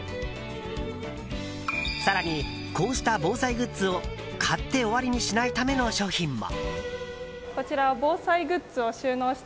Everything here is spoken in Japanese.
更に、こうした防災グッズを買って終わりにしないための商品も。